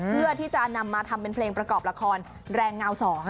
เพื่อที่จะนำมาทำเป็นเพลงประกอบละครแรงเงา๒